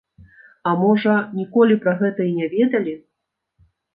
А можа, ніколі пра гэта і не ведалі.